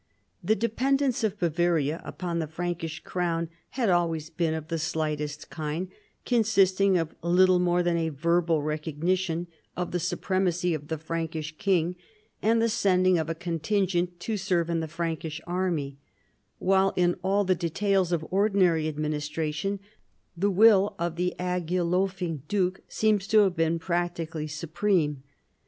The dependence of Bavaria upon the Frankish crown had always been of the slightest kind, consisting of little more than a verbal recognition of the supremacy of the Frankish king, and the sending of a contingent to serve in the Frankish array, while, in all the details of ordinary administration, the will of the Agilolfing duke seems to have been practically supreme.